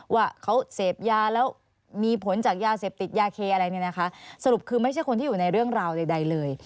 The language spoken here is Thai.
ว่าเขาเสพยาแล้วมีผลจากยาเสพติดยาเคอะไรเนี่ยนะคะสรุปคือไม่ใช่คนที่อยู่ในเรื่องราวใดเลย